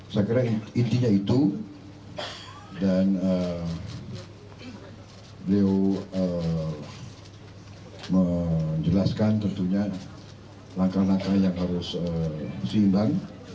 saya kira intinya itu dan beliau menjelaskan tentunya langkah langkah yang harus seimbang